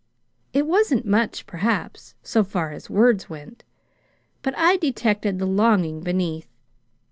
It wasn't much, perhaps, so far as words went, but I detected the longing beneath.